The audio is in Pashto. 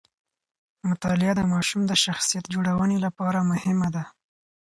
مطالعه د ماشوم د شخصیت جوړونې لپاره مهمه ده.